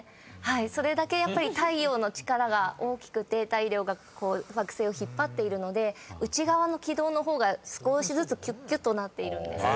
それだけやっぱり太陽の力が大きくて太陽が惑星を引っ張っているので内側の軌道の方が少しずつキュッキュとなっているんです。